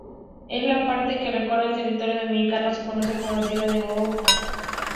Es la parte que recorre el territorio Dominicano, se conoce como Sierra de Bahoruco.